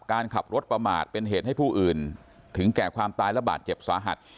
การขับรถประมาทเป็นเหตุให้ผู้อื่นถึงแก่ความตายและบาดเจ็บสาหัส